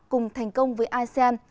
cùng thành công với asean